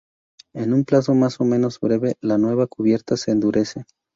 En un plazo más o menos breve la nueva cubierta se endurece.